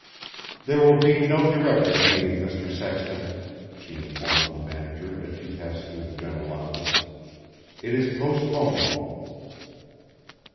"There will be no directors' meeting, Mr. Sexton," she informed the manager as she passed through the general office. "It is postponed."